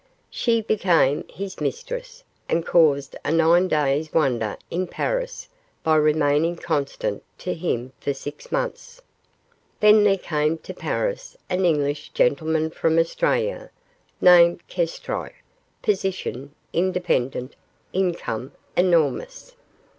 She became his mistress, and caused a nine days' wonder in Paris by remaining constant to him for six months. Then there came to Paris an English gentleman from Australia name, Kestrike; position, independent; income, enormous.